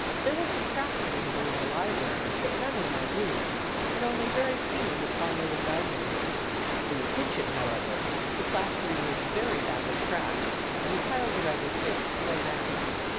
There were some cracks visible in the library, but none in my room, and only very few in the parlor and dining room. In the kitchen, however, the plastering was very badly cracked and the tiles around the sink thrown out.